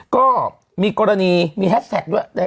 ก็มีกรณีมีแฮชแท็กด้วย